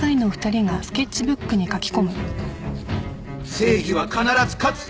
・「正義は必ず勝つ！」